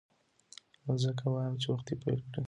نو ځکه وایم چې وختي پیل کړئ.